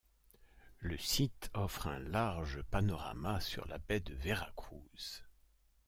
Le site offre un large panorama sur la baie de Vera Cruz.